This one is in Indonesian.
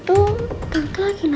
kayaknya tante lagi kesusahan deh